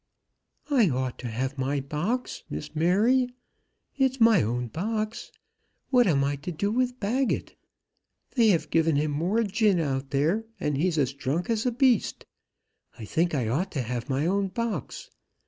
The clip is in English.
"I ought to have my box, Miss Mary. It's my own box. What am I to do with Baggett? They have given him more gin out there, and he's as drunk as a beast. I think I ought to have my own box.